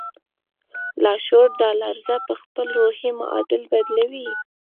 لاشعور دا لړزه پهخپل روحي معادل بدلوي